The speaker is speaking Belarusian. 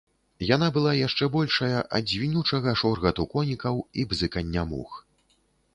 Яна была яшчэ большая ад звінючага шоргату конікаў і бзыкання мух.